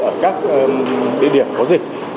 ở các địa điểm có dịch